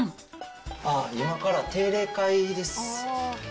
今から定例会です。